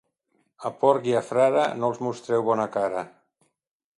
A porc i a frare no els mostreu bona cara.